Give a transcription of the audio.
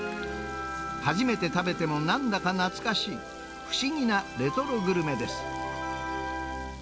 初めて食べてもなんだか懐かしい、不思議なレトログルメです。